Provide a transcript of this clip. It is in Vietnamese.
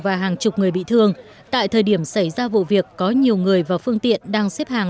và hàng chục người bị thương tại thời điểm xảy ra vụ việc có nhiều người và phương tiện đang xếp hàng